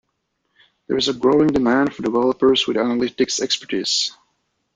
There is a growing demand for developers with analytics expertise.